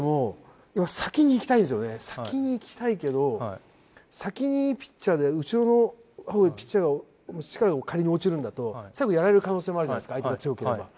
先に行きたいけど先にいいピッチャーで後ろの方ピッチャーの力を仮に落ちるんだと最後やられる可能性もあるじゃないですか相手が強ければ。